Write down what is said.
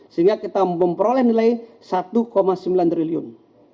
sehingga kita memperoleh nilai satu sembilan triliun